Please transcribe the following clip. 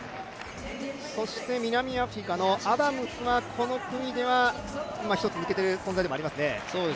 南アフリカのアダムスがこの組では１つ抜けている存在ではありますね